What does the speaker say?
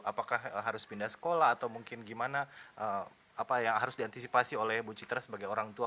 apakah harus pindah sekolah atau mungkin gimana apa yang harus diantisipasi oleh bu citra sebagai orang tua